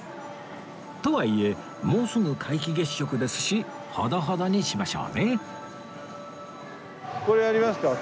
とはいえもうすぐ皆既月食ですしほどほどにしましょうね